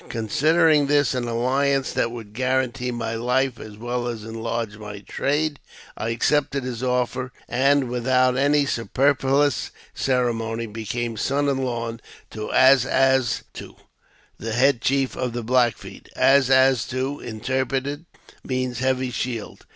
Considering this an alHance that would guarantee my life as well as enlarge my trade, I accepted his offer, and without any superfluous ceremony, became son in law to As as to, the head chief of the Black Feet. As as to, interpreted, means heavy shield.